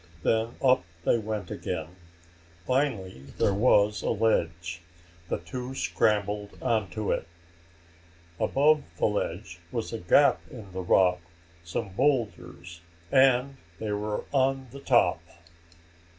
Then up they went again. Finally there was a ledge. The two scrambled onto it. Above the ledge was a gap in the rock, some boulders and they were on the top!